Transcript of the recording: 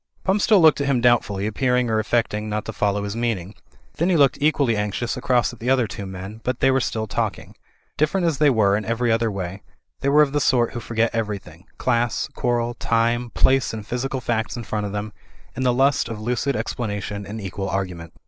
Pump still looked at him doubtfully, appearing or affecting not to follow his meaning. Then he looked equally anxiously across at the other two men; but they were still talking. Different as they were in every other way, they were of the sort who forget everything, class, quarrel, time, place and physical facts in front of them, in the lust of lucid explanation and equal argument.